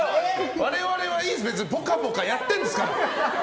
我々はいいです、別にぽかぽかやってるんですから。